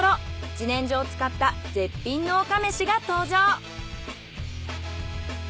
自然薯を使った絶品農家めしが登場！